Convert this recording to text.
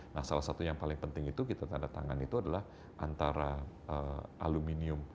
nah salah satu yang paling penting itu kita tanda tangan itu adalah antara aluminium